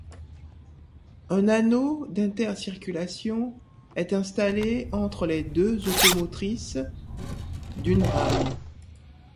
Un anneau d'intercirculation est installé entre les deux automotrices d'une rame.